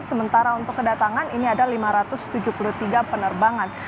sementara untuk kedatangan ini ada lima ratus tujuh puluh tiga penerbangan